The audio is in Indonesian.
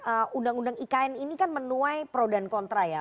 karena undang undang ikn ini kan menuai pro dan kontra ya